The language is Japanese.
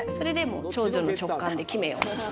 長女の直感で決めようと。